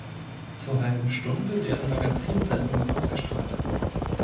Zur halben Stunde werden Magazin-Sendungen ausgestrahlt.